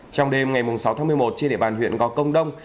trong đêm ngày sáu tháng một mươi một trên địa bàn huyện gò công đông